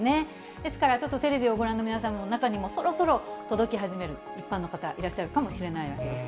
ですからちょっとテレビをご覧の皆さんの中にもそろそろ届き始める一般の方、いらっしゃるかもしれないわけです。